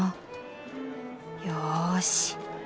よし。